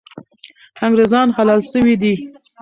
انګریزان حلال سوي دي.